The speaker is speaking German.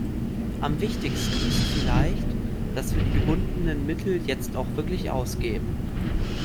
Am wichtigsten ist vielleicht, dass wir die gebundenen Mittel jetzt auch wirklich ausgeben.